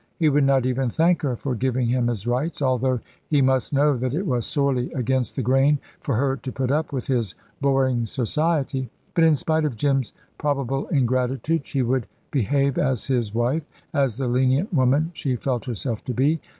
He would not even thank her for giving him his rights, although he must know that it was sorely against the grain for her to put up with his boring society. But in spite of Jim's probable ingratitude, she would behave as his wife as the lenient woman she felt herself to be.